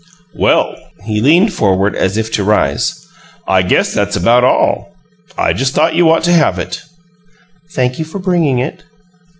"Well" he leaned forward as if to rise "I guess that's about all. I just thought you ought to have it." "Thank you for bringing it."